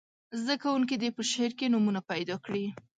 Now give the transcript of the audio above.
زده کوونکي دې په شعر کې نومونه پیداکړي.